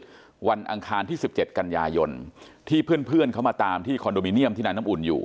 วันอังคารที่๑๗กันยายนที่เพื่อนเขามาตามที่คอนโดมิเนียมที่นายน้ำอุ่นอยู่